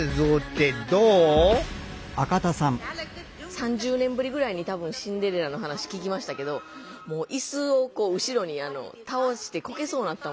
３０年ぶりぐらいに多分「シンデレラ」の話聞きましたけどもう椅子を後ろに倒してこけそうになったもん。